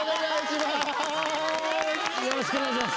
よろしくお願いします。